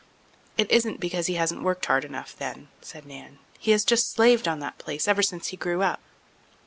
"It isn't because he hasn't worked hard enough, then," said Nan. "He has just slaved on that place ever since he grew up."